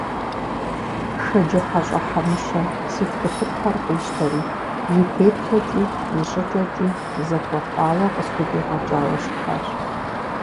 ШэджыхьэщӀэ Хьэмыщэ си тхылъыпхъэр къищтэри, и теплъэкӀи, и щӀыкӀэкӀи зэхуэхъуауэ къысхудигъэкӀауэ щытащ.